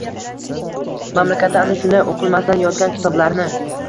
Mamlakatda ana shunday o‘qilmasdan yotgan kitoblarni